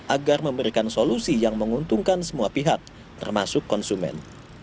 agar memberikan solusi yang menguntungkan semua pihak termasuk konsumen